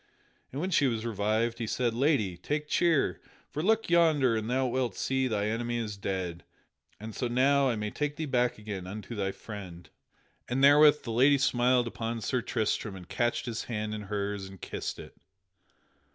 And when she was revived, he said: "Lady, take cheer; for look yonder and thou wilt see thy enemy is dead, and so now I may take thee back again unto thy friend." And therewith the lady smiled upon Sir Tristram and catched his hand in hers and kissed it.